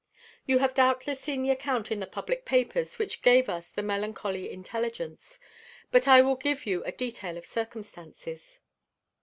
You have doubtless seen the account in the public papers which gave us the melancholy intelligence. But I will give you a detail of circumstances.